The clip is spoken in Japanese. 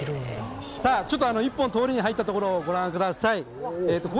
一本通りに入ったところをご覧ください。